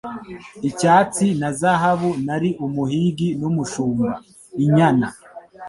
Icyatsi na zahabu Nari umuhigi n'umushumba, inyana